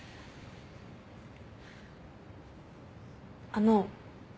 あの。